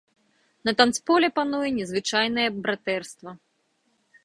На танцполе пануе незвычайнае братэрства.